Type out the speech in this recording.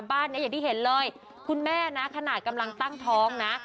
บ้านนี้อย่างที่เห็นเลยคุณแม่นะขนาดกำลังตั้งท้องนะ